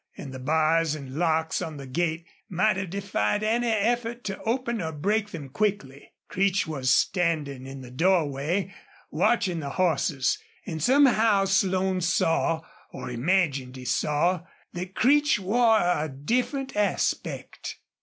And the bars and locks on the gate might have defied any effort to open or break them quickly. Creech was standing in the doorway, watching the horses, and somehow Slone saw, or imagined he saw, that Creech wore a different aspect.